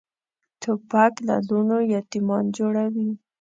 توپک له لوڼو یتیمان جوړوي.